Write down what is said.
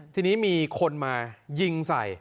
ทีนี้มีคนมายิงใส่